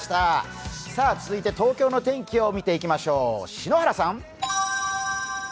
続いて東京の天気を見ていきましょう、篠原さん。